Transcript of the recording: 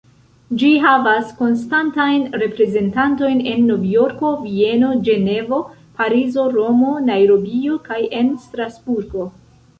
Ĝi havas konstantajn reprezentantojn en Novjorko, Vieno, Ĝenevo, Parizo, Romo, Najrobio kaj en Strasburgo.